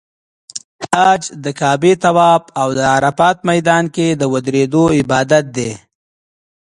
حج د کعبې طواف او د عرفات میدان کې د ودریدو عبادت دی.